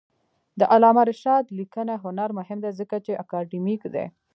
د علامه رشاد لیکنی هنر مهم دی ځکه چې اکاډمیک دی.